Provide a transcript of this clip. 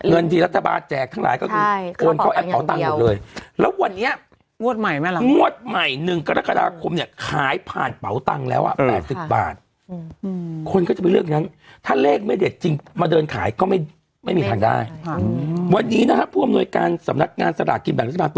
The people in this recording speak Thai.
อืมคนก็จะไปเลือกอย่างงั้นถ้าเลขไม่เด็ดจริงมาเดินขายก็ไม่ไม่มีทางได้